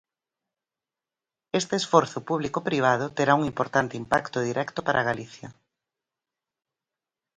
Este esforzo público-privado terá un importante impacto directo para Galicia.